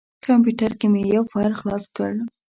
کمپیوټر کې مې یو فایل خلاص کړ.